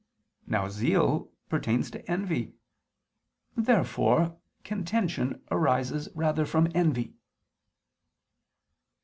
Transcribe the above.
Now zeal pertains to envy. Therefore contention arises rather from envy.